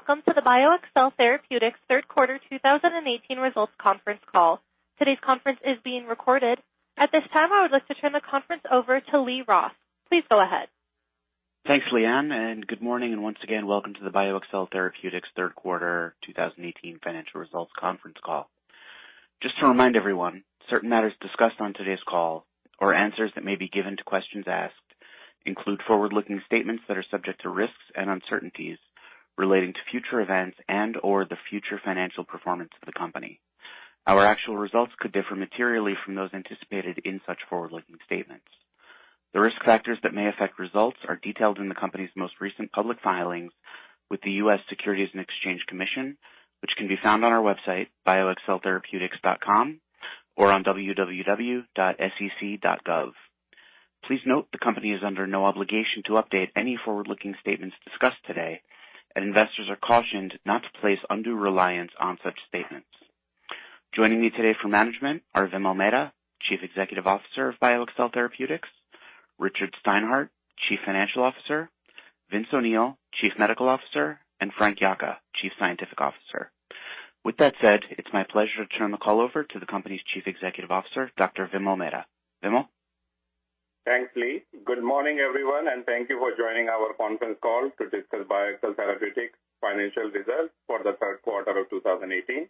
Good day, welcome to the BioXcel Therapeutics third quarter 2018 results conference call. Today's conference is being recorded. At this time, I would like to turn the conference over to Lee Roth. Please go ahead. Thanks, Leanne, good morning, once again, welcome to the BioXcel Therapeutics third quarter 2018 financial results conference call. Just to remind everyone, certain matters discussed on today's call or answers that may be given to questions asked include forward-looking statements that are subject to risks and uncertainties relating to future events and/or the future financial performance of the company. Our actual results could differ materially from those anticipated in such forward-looking statements. The risk factors that may affect results are detailed in the company's most recent public filings with the U.S. Securities and Exchange Commission, which can be found on our website, bioxceltherapeutics.com, or on www.sec.gov. Please note, the company is under no obligation to update any forward-looking statements discussed today, investors are cautioned not to place undue reliance on such statements. Joining me today for management are Vimal Mehta, Chief Executive Officer of BioXcel Therapeutics, Richard Steinhart, Chief Financial Officer, Vince O'Neill, Chief Medical Officer, Frank Yocca, Chief Scientific Officer. With that said, it's my pleasure to turn the call over to the company's Chief Executive Officer, Dr. Vimal Mehta. Vimal? Thanks, Lee. Good morning, everyone, thank you for joining our conference call to discuss BioXcel Therapeutics' financial results for the third quarter of 2018.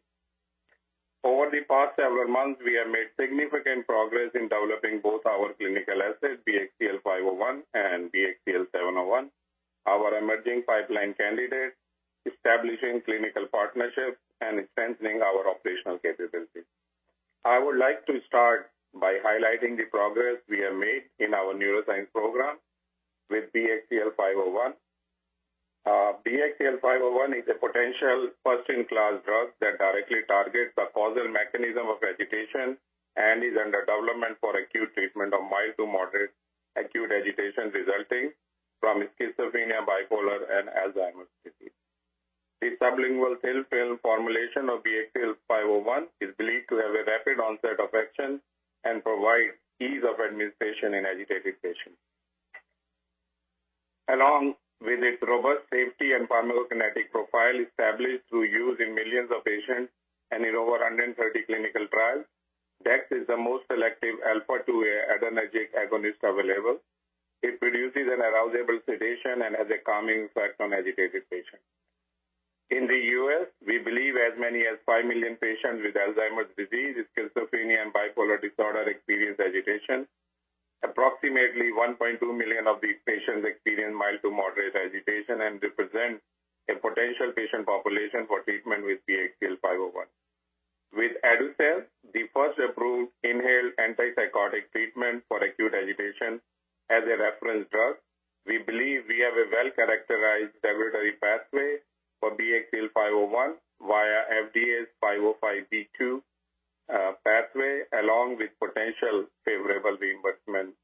Over the past several months, we have made significant progress in developing both our clinical assets, BXCL501 and BXCL701, our emerging pipeline candidates, establishing clinical partnerships, and strengthening our operational capabilities. I would like to start by highlighting the progress we have made in our neuroscience program with BXCL501. BXCL501 is a potential first-in-class drug that directly targets the causal mechanism of agitation and is under development for acute treatment of mild to moderate acute agitation resulting from schizophrenia, bipolar, and Alzheimer's disease. The sublingual thin film formulation of BXCL501 is believed to have a rapid onset of action and provide ease of administration in agitated patients. Along with its robust safety and pharmacokinetic profile established through use in millions of patients and in over 130 clinical trials. Dex is the most selective alpha-2A adrenergic agonist available. It produces an arousable sedation and has a calming effect on agitated patients. In the U.S., we believe as many as 5 million patients with Alzheimer's disease, schizophrenia, and bipolar disorder experience agitation. Approximately 1.2 million of these patients experience mild to moderate agitation and represent a potential patient population for treatment with BXCL501. With ADASUVE, the first approved inhaled antipsychotic treatment for acute agitation as a reference drug, we believe we have a well-characterized regulatory pathway for BXCL501 via FDA's 505(b)(2) pathway, along with potential favorable reimbursement.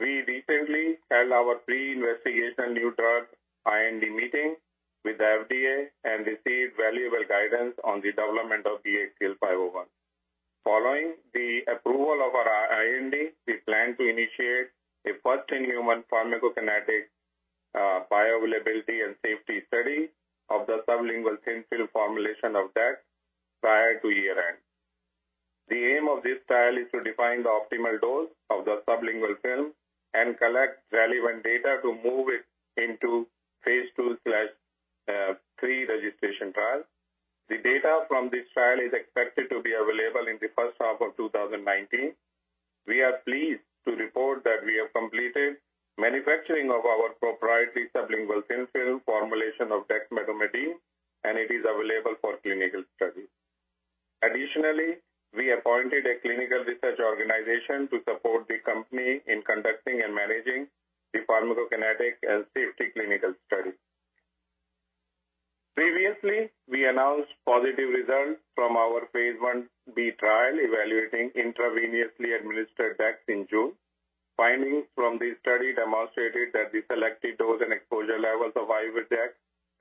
We recently held our pre-investigation new drug, IND meeting with the FDA and received valuable guidance on the development of BXCL501. Following the approval of our IND, we plan to initiate a first-in-human pharmacokinetic bioavailability and safety study of the sublingual thin film formulation of that prior to year-end. The aim of this trial is to define the optimal dose of the sublingual film and collect relevant data to move it into phase II/III registration trial. The data from this trial is expected to be available in the first half of 2019. We are pleased to report that we have completed manufacturing of our proprietary sublingual thin film formulation of dexmedetomidine, and it is available for clinical study. Additionally, we appointed a clinical research organization to support the company in conducting and managing the pharmacokinetic and safety clinical study. Previously, we announced positive results from our phase Ib trial evaluating intravenously administered dex in June. Findings from this study demonstrated that the selected dose and exposure levels of IV dex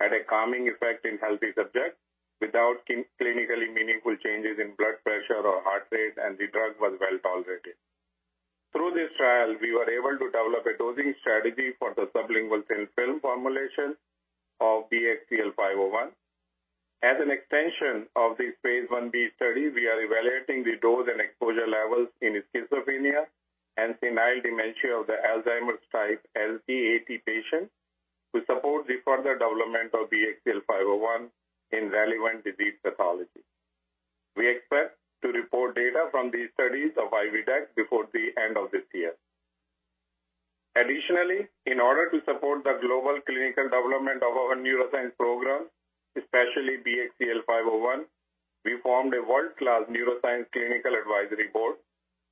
had a calming effect in healthy subjects without clinically meaningful changes in blood pressure or heart rate, and the drug was well-tolerated. Through this trial, we were able to develop a dosing strategy for the sublingual thin film formulation of BXCL501. As an extension of this phase Ib study, we are evaluating the dose and exposure levels in schizophrenia and senile dementia of the Alzheimer's type, SDAT patients to support the further development of BXCL501 in relevant disease pathologies. We expect to report data from these studies of IV dex before the end of this year. Additionally, in order to support the global clinical development of our neuroscience program, especially BXCL501, we formed a world-class neuroscience clinical advisory board.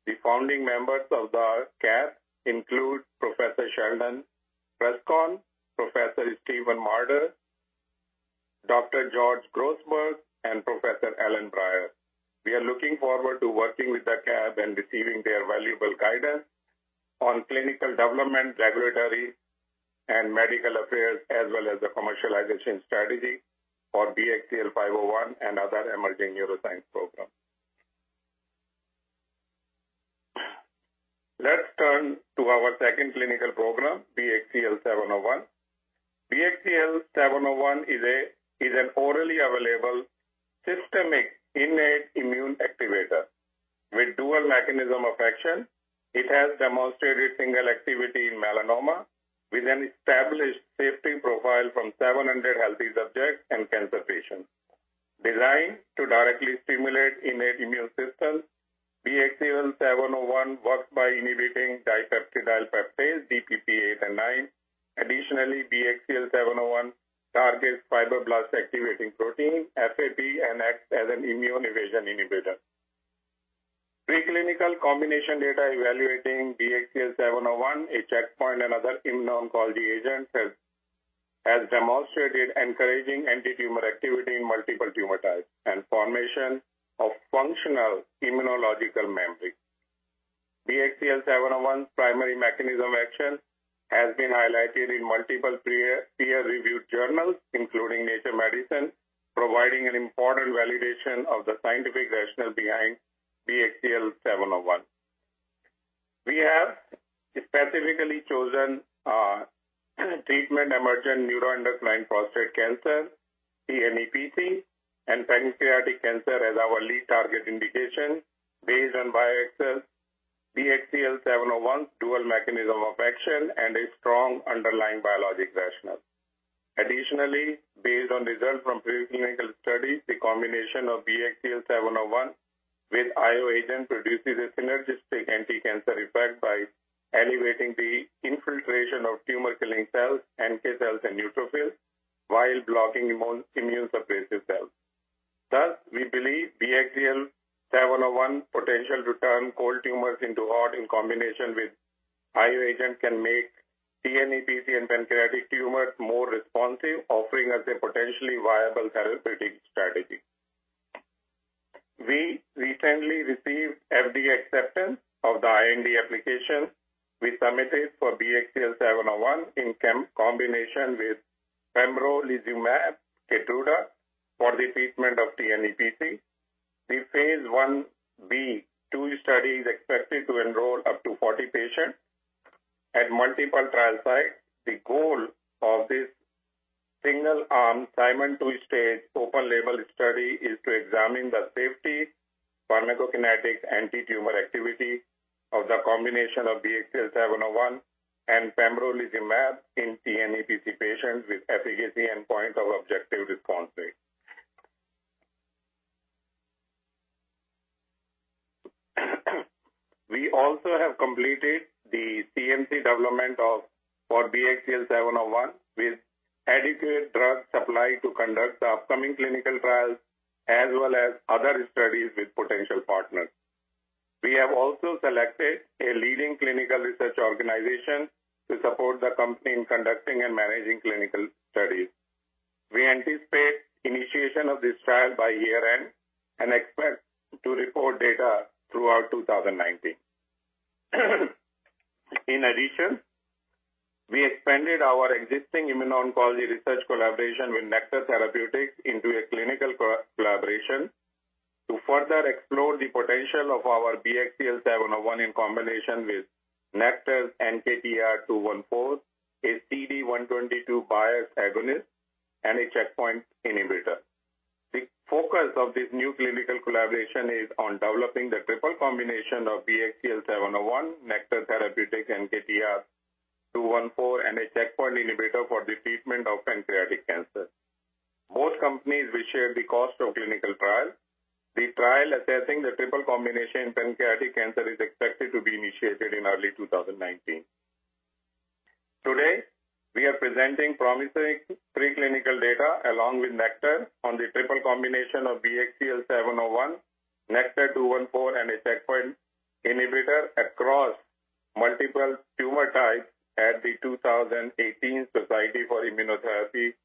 The founding members of the CAB include Professor Sheldon Preskorn, Professor Stephen Marder, Dr. George Grossberg, and Professor Alan Breier. We are looking forward to working with the CAB and receiving their valuable guidance on clinical development, regulatory and medical affairs, as well as the commercialization strategy for BXCL501 and other emerging neuroscience programs. To our second clinical program, BXCL701. BXCL701 is an orally available systemic innate immune activator with dual mechanism of action. It has demonstrated single activity in melanoma with an established safety profile from 700 healthy subjects and cancer patients. Designed to directly stimulate innate immune systems, BXCL701 works by inhibiting dipeptidyl peptidase, DPP8 and DPP9. Additionally, BXCL701 targets fibroblast activation protein, FAP, and acts as an immunoevasion inhibitor. Preclinical combination data evaluating BXCL701, a checkpoint, and other immuno-oncology agents has demonstrated encouraging anti-tumor activity in multiple tumor types and formation of functional immunological memory. BXCL701's primary mechanism action has been highlighted in multiple peer-reviewed journals, including Nature Medicine, providing an important validation of the scientific rationale behind BXCL701. We have specifically chosen treatment-emergent neuroendocrine prostate cancer, tNEPC, and pancreatic cancer as our lead target indication based on BioXcel's BXCL701 dual mechanism of action and a strong underlying biologic rationale. Additionally, based on results from pre-clinical studies, the combination of BXCL701 with IO agent produces a synergistic anti-cancer effect by elevating the infiltration of tumor-killing cells, NK cells, and neutrophils while blocking immune-suppressive cells. Thus, we believe BXCL701 potential to turn cold tumors into hot in combination with IO agent can make t-NEPC and pancreatic tumors more responsive, offering us a potentially viable therapeutic strategy. We recently received FDA acceptance of the IND application we submitted for BXCL701 in combination with pembrolizumab KEYTRUDA, for the treatment of t-NEPC. The phase Ib/II study is expected to enroll up to 40 patients at multiple trial sites. The goal of this single-arm, Simon two-stage open-label study is to examine the safety, pharmacokinetics, anti-tumor activity of the combination of BXCL701 and pembrolizumab in tNEPC patients with efficacy endpoint of objective response rate. We also have completed the CMC development for BXCL701 with adequate drug supply to conduct the upcoming clinical trials as well as other studies with potential partners. We have also selected a leading clinical research organization to support the company in conducting and managing clinical studies. We anticipate initiation of this trial by year-end and expect to report data throughout 2019. In addition, we expanded our existing immuno-oncology research collaboration with Nektar Therapeutics into a clinical collaboration to further explore the potential of our BXCL701 in combination with Nektar's NKTR-214, a CD122-biased agonist and a checkpoint inhibitor. The focus of this new clinical collaboration is on developing the triple combination of BXCL701, Nektar Therapeutics' NKTR-214, and a checkpoint inhibitor for the treatment of pancreatic cancer. Both companies will share the cost of clinical trial. The trial assessing the triple combination in pancreatic cancer is expected to be initiated in early 2019. Today, we are presenting promising pre-clinical data along with Nektar on the triple combination of BXCL701, NKTR-214, and a checkpoint inhibitor across multiple tumor types at the 2018 Society for Immunotherapy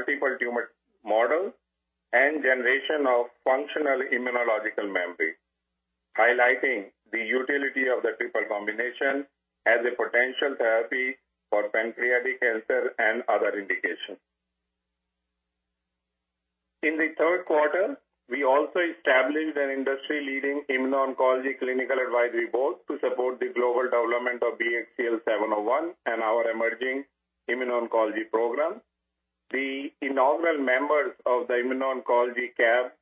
of Cancer annual meeting. Findings from this pre-clinical study have demonstrated robust anti-tumor activity, resulting in complete tumor regression in multiple tumor models and generation of functional immunological memory, highlighting the utility of the triple combination as a potential therapy for pancreatic cancer and other indications. In the third quarter, we also established an industry-leading immuno-oncology Clinical Advisory Board to support the global development of BXCL701 and our emerging immuno-oncology program. The inaugural members of the immuno-oncology CAB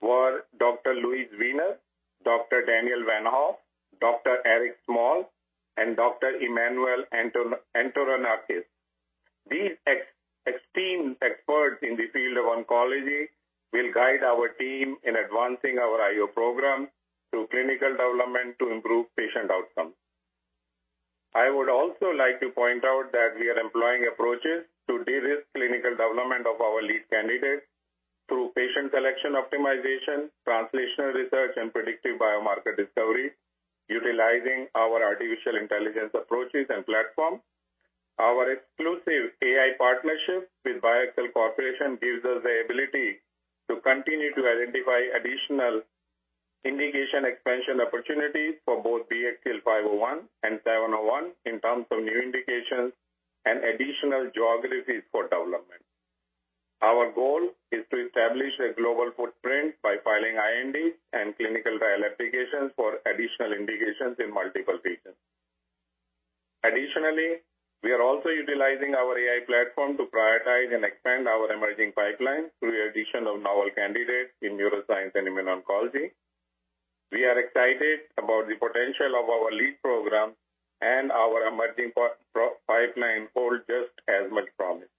were Dr. Louis Weiner, Dr. Daniel Von Hoff, Dr. Eric Small, and Dr. Emmanuel Antonarakis. These esteemed experts in the field of oncology will guide our team in advancing our IO program to clinical development to improve patient outcomes. I would also like to point out that we are employing approaches to de-risk clinical development of our lead candidates through patient selection optimization, translational research, and predictive biomarker discovery utilizing our artificial intelligence approaches and platform. Our exclusive AI partnership with BioXcel Corporation gives us the ability to continue to identify additional indication expansion opportunities for both BXCL501 and BXCL701 in terms of new indications and additional geographies for development. Our goal is to establish a global footprint by filing IND and clinical trial applications for additional indications in multiple patients. Additionally, we are also utilizing our AI platform to prioritize and expand our emerging pipeline through the addition of novel candidates in neuroscience and immuno-oncology. We are excited about the potential of our lead program, and our emerging pipeline holds just as much promise.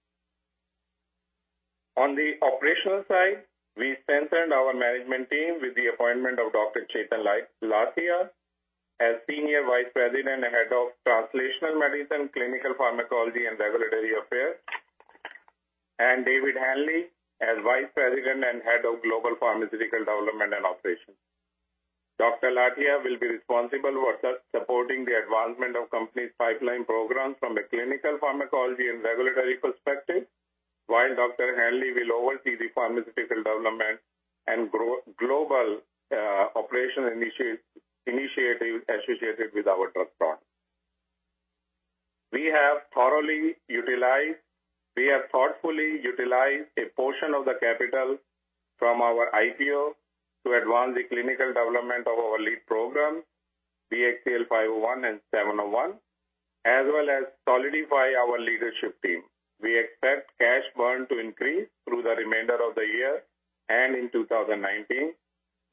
On the operational side, we centered our management team with the appointment of Dr. Chetan Lathia as Senior Vice President and Head of Translational Medicine, Clinical Pharmacology, and Regulatory Affairs, and David Hanley as Vice President and Head of Global Pharmaceutical Development and Operations. Dr. Lathia will be responsible for supporting the advancement of the company's pipeline programs from a clinical pharmacology and regulatory perspective, while Dr. Hanley will oversee the pharmaceutical development and global operation initiatives associated with our drug products. We have thoughtfully utilized a portion of the capital from our IPO to advance the clinical development of our lead program, BXCL501 and BXCL701, as well as solidify our leadership team. We expect cash burn to increase through the remainder of the year and in 2019,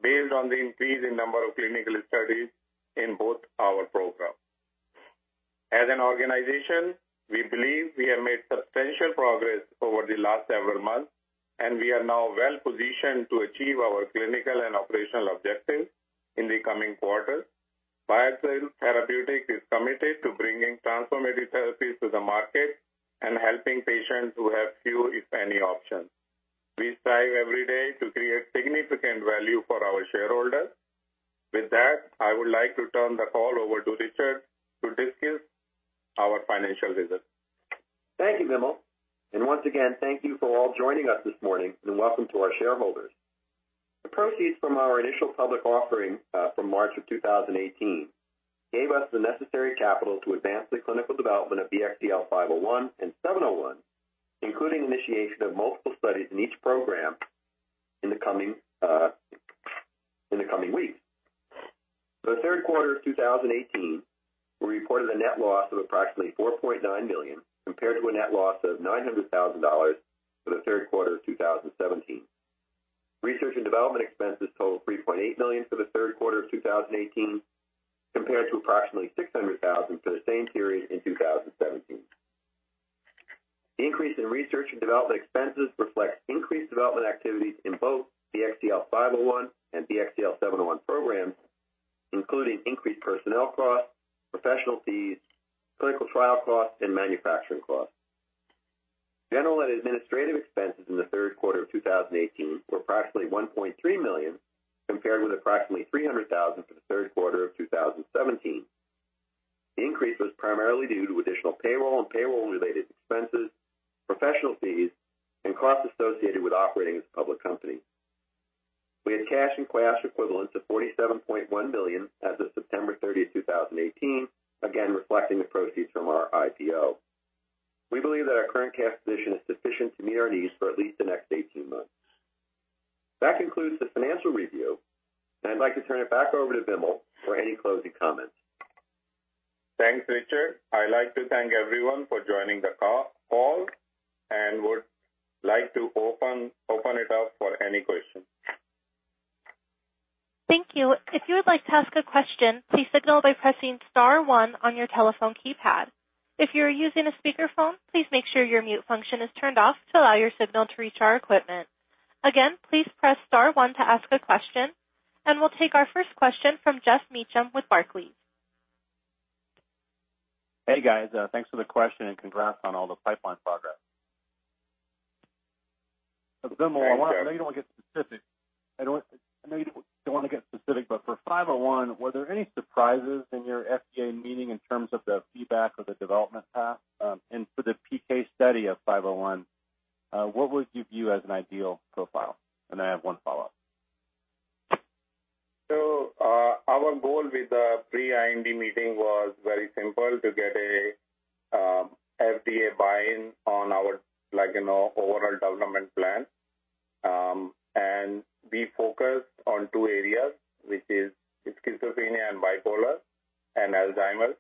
based on the increase in the number of clinical studies in both our programs. As an organization, we believe we have made substantial progress over the last several months, and we are now well positioned to achieve our clinical and operational objectives in the coming quarters. BioXcel Therapeutics is committed to bringing transformative therapies to the market and helping patients who have few, if any, options. We strive every day to create significant value for our shareholders. With that, I would like to turn the call over to Richard to discuss our financial results. Thank you, Vimal. Once again, thank you for all joining us this morning, and welcome to our shareholders. The proceeds from our initial public offering from March of 2018 gave us the necessary capital to advance the clinical development of BXCL501 and BXCL701, including initiation of multiple studies in each program in the coming weeks. For the third quarter of 2018, we reported a net loss of approximately $4.9 million, compared to a net loss of $900,000 for the third quarter of 2017. Research and development expenses totaled $3.8 million for the third quarter of 2018, compared to approximately $600,000 for the same period in 2017. The increase in research and development expenses reflects increased development activities in both BXCL501 and BXCL701 programs, including increased personnel costs, professional fees, clinical trial costs, and manufacturing costs. General and administrative expenses in the third quarter of 2018 were approximately $1.3 million, compared with approximately $300,000 for the third quarter of 2017. The increase was primarily due to additional payroll and payroll-related expenses, professional fees, and costs associated with operating as a public company. We had cash and cash equivalents of $47.1 million as of September 30, 2018, again, reflecting the proceeds from our IPO. We believe that our current cash position is sufficient to meet our needs for at least the next 18 months. That concludes the financial review. Now I'd like to turn it back over to Vimal for any closing comments. Thanks, Richard. I'd like to thank everyone for joining the call and would like to open it up for any questions. Thank you. If you would like to ask a question, please signal by pressing star one on your telephone keypad. If you are using a speakerphone, please make sure your mute function is turned off to allow your signal to reach our equipment. Again, please press star one to ask a question, and we'll take our first question from Geoff Meacham with Barclays. Hey, guys. Thanks for the question, and congrats on all the pipeline progress. Thanks, Geoff. Vimal, I know you don't want to get specific, but for BXCL501, were there any surprises in your FDA meeting in terms of the feedback or the development path? For the PK study of BXCL501, what would you view as an ideal profile? I have one follow-up. Our goal with the pre-IND meeting was very simple, to get FDA buy-in on our overall development plan. We focused on two areas, which is schizophrenia and bipolar and Alzheimer's.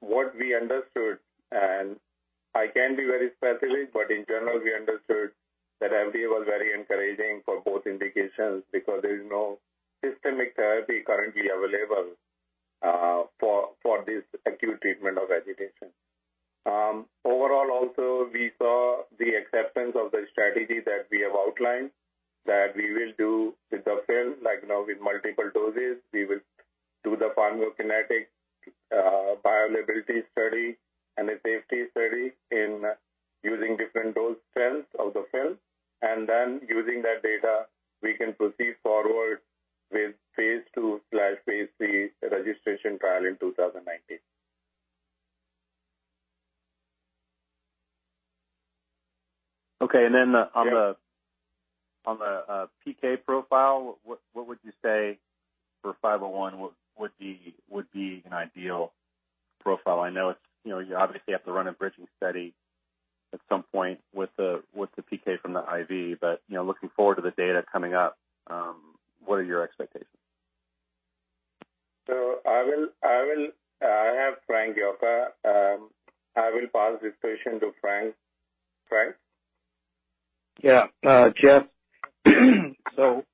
What we understood, and I can't be very specific, but in general, we understood that FDA was very encouraging for both indications because there is no systemic therapy currently available for this acute treatment of agitation. Overall, also, we saw the acceptance of the strategy that we have outlined, that we will do with the film, like now with multiple doses. We will do the pharmacokinetic bioavailability study and a safety study using different dose strengths of the film. Then using that data, we can proceed forward with phase II/phase III registration trial in 2019. Okay. On the PK profile, what would you say for BXCL501 would be an ideal profile? I know you obviously have to run a bridging study at some point with the PK from the IV, but looking forward to the data coming up, what are your expectations? I have Frank Yocca. I will pass this question to Frank. Frank? Geoff,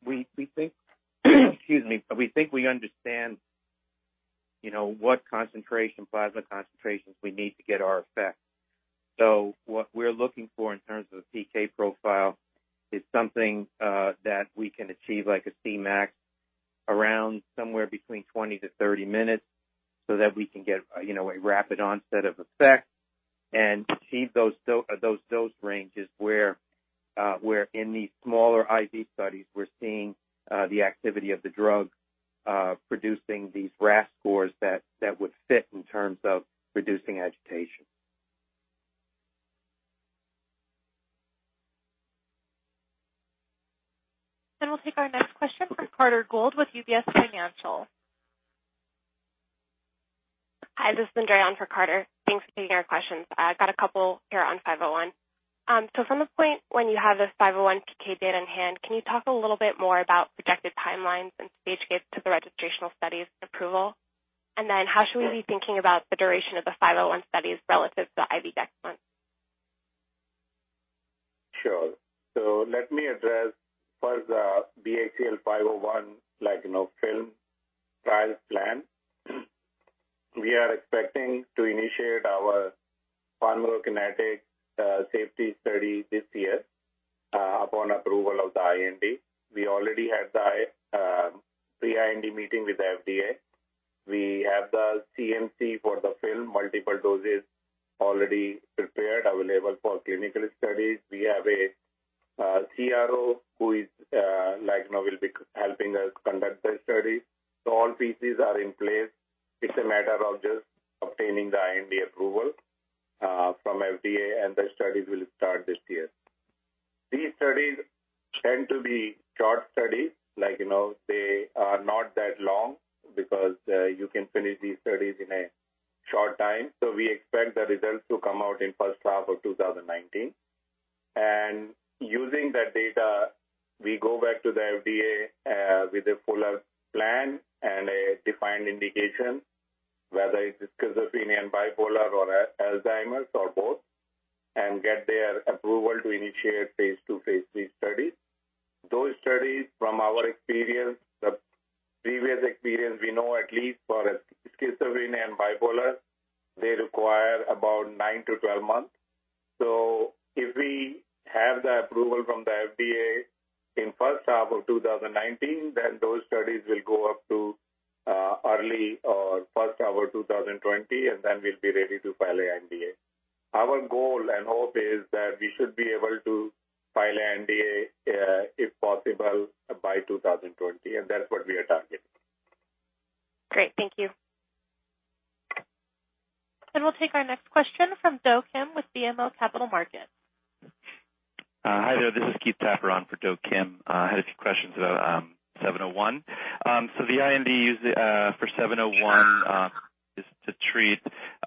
we think we understand what plasma concentrations we need to get our effect. What we're looking for in terms of the PK profile is something that we can achieve, like a Cmax, around somewhere between 20-30 minutes, that we can get a rapid onset of effect and achieve those dose ranges where in these smaller IV studies, we're seeing the activity of the drug producing these RASS scores that would fit in terms of reducing agitation. We'll take our next question from Carter Gould with UBS Financial. Hi, this is [Andrew] on for Carter. Thanks for taking our questions. I've got a couple here on BXCL501. From the point when you have this BXCL501 PK data in hand, can you talk a little bit more about projected timelines and stage gates to the registrational studies approval? How should we be thinking about the duration of the BXCL501 studies relative to IV dexmedetomidine? Let me address for the BXCL501 film trial plan. We are expecting to initiate our pharmacokinetic safety study this year upon approval of the IND. We already had the pre-IND meeting with FDA. We have the CMC for the film, multiple doses already prepared, available for clinical studies. We have a CRO who will be helping us conduct the study. All pieces are in place. It's a matter of just obtaining the IND approval from FDA, and the studies will start this year. These studies tend to be short studies. They are not that long because you can finish these studies in a short time. We expect the results to come out in first half of 2019. Using that data, we go back to the FDA with a fuller plan and a defined indication, whether it's schizophrenia and bipolar or Alzheimer's or both, and get their approval to initiate phase II, phase III studies. Those studies, from our previous experience, we know at least for schizophrenia and bipolar, they require about 9-12 months. If we have the approval from the FDA in first half of 2019, those studies will go up to early or first half of 2020, and then we'll be ready to file an NDA. Our goal and hope is that we should be able to file NDA, if possible, by 2020, and that's what we are targeting. Great. Thank you. We'll take our next question from Do Kim with BMO Capital Markets. Hi there. This is Keith Tapper on for Do Kim. I had a few questions about BXCL701. The IND for BXCL701 is to treat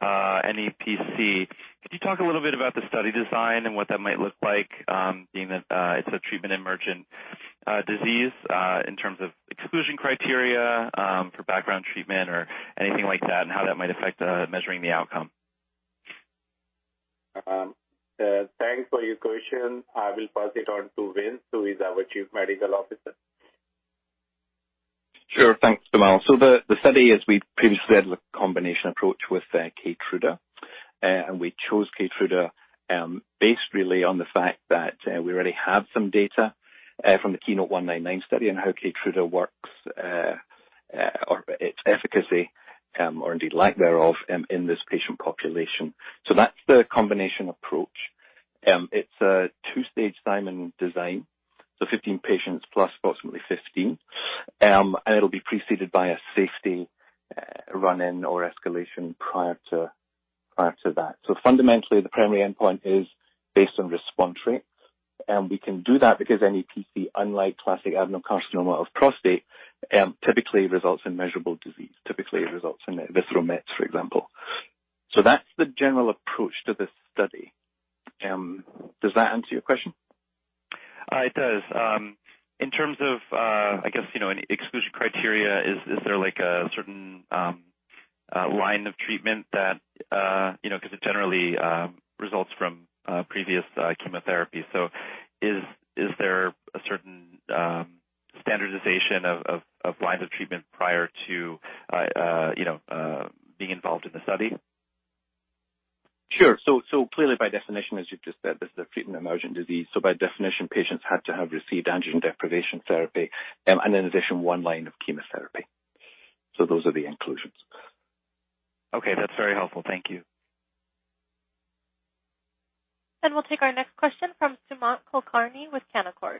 tNEPC. Could you talk a little bit about the study design and what that might look like, being that it's a treatment-emergent disease, in terms of exclusion criteria for background treatment or anything like that, and how that might affect measuring the outcome? Thanks for your question. I will pass it on to Vince, who is our Chief Medical Officer. Sure. Thanks, Vimal. The study, as we previously had a combination approach with KEYTRUDA. We chose KEYTRUDA based really on the fact that we already had some data from the KEYNOTE-199 study on how KEYTRUDA works, or its efficacy, or indeed lack thereof, in this patient population. That's the combination approach. It's a two-stage Simon design, so 15 patients plus approximately 15. It'll be preceded by a safety run-in or escalation prior to that. Fundamentally, the primary endpoint is based on response rates. We can do that because tNEPC, unlike classic adenocarcinoma of prostate, typically results in measurable disease, typically results in visceral mets, for example. That's the general approach to this study. Does that answer your question? It does. In terms of, I guess, any exclusion criteria, is there a certain line of treatment that, because it generally results from previous chemotherapy. Is there a certain standardization of lines of treatment prior to being involved in the study? Sure. Clearly, by definition, as you've just said, this is a treatment-emergent disease. By definition, patients had to have received androgen deprivation therapy and in addition, one line of chemotherapy. Those are the inclusions. Okay. That's very helpful. Thank you. We'll take our next question from Sumant Kulkarni with Canaccord.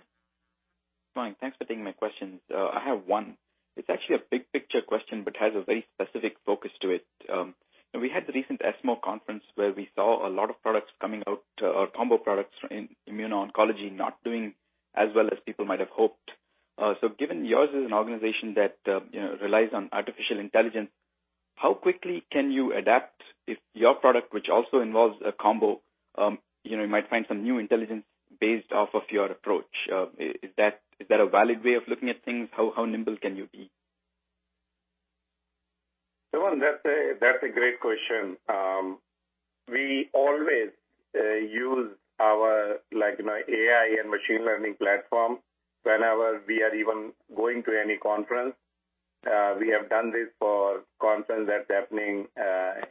Fine. Thanks for taking my question. I have one. It's actually a big picture question, but has a very specific focus to it. We had the recent ESMO conference where we saw a lot of products coming out, or combo products in immuno-oncology not doing as well as people might have hoped. Given yours is an organization that relies on artificial intelligence, how quickly can you adapt if your product, which also involves a combo, you might find some new intelligence based off of your approach. Is that a valid way of looking at things? How nimble can you be? Sumant, that's a great question. We always use our AI and machine learning platform whenever we are even going to any conference. We have done this for conference that's happening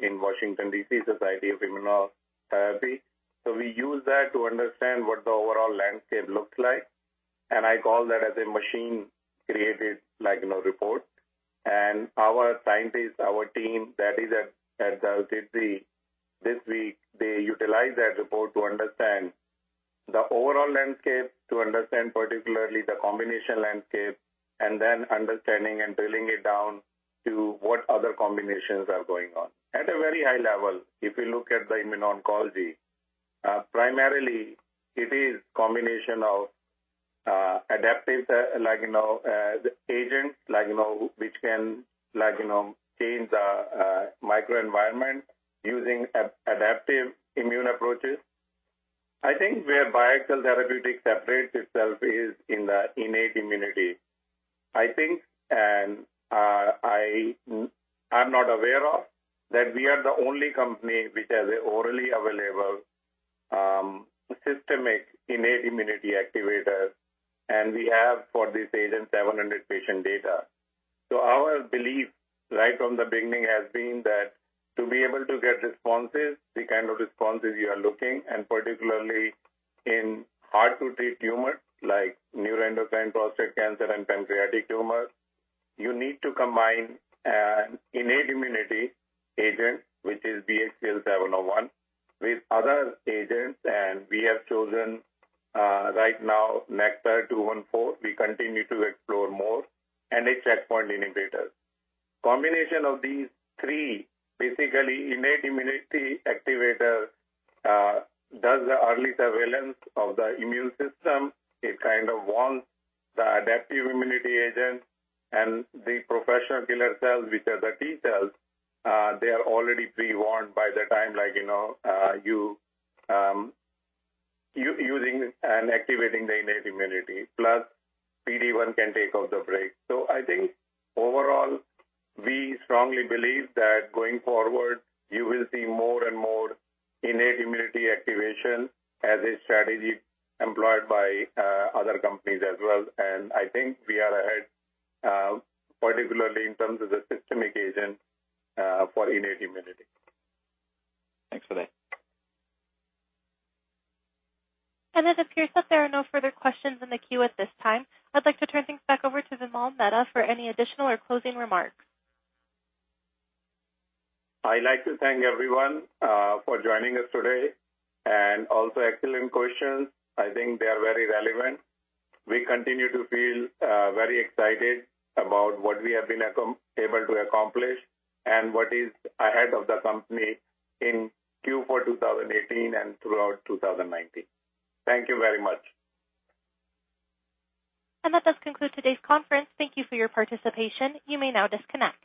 in Washington, D.C., Society of Immunotherapy. We use that to understand what the overall landscape looks like, and I call that as a machine-created report. Our scientists, our team that is at the [SITC] this week, they utilize that report to understand the overall landscape, to understand particularly the combination landscape, and then understanding and drilling it down to what other combinations are going on. At a very high level, if you look at the immuno-oncology, primarily it is combination of adaptive agents, which can change the microenvironment using adaptive immune approaches. I think where BioXcel Therapeutics separates itself is in the innate immunity. I think, I'm not aware of, that we are the only company which has an orally available, systemic innate immunity activator, and we have for this agent, 700 patient data. Our belief right from the beginning has been that to be able to get responses, the kind of responses you are looking, and particularly in hard to treat tumors like neuroendocrine prostate cancer and pancreatic tumors, you need to combine an innate immunity agent, which is BXCL701, with other agents, and we have chosen, right now, NKTR-214. We continue to explore more IO checkpoint inhibitors. Combination of these three, basically innate immunity activator, does the early surveillance of the immune system. It kind of warns the adaptive immunity agent and the professional killer cells, which are the T cells, they are already pre-warned by the time you, using and activating the innate immunity. Plus, PD-1 can take off the brake. I think overall, we strongly believe that going forward, you will see more and more innate immunity activation as a strategy employed by other companies as well. I think we are ahead, particularly in terms of the systemic agent, for innate immunity. Thanks for that. It appears that there are no further questions in the queue at this time. I'd like to turn things back over to Vimal Mehta for any additional or closing remarks. I'd like to thank everyone for joining us today and also excellent questions. I think they are very relevant. We continue to feel very excited about what we have been able to accomplish and what is ahead of the company in Q4 2018 and throughout 2019. Thank you very much. That does conclude today's conference. Thank you for your participation. You may now disconnect.